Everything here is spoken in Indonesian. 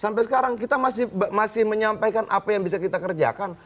sampai sekarang kita masih menyampaikan apa yang bisa kita kerjakan